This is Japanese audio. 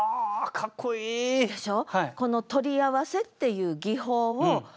かっこいい！でしょ？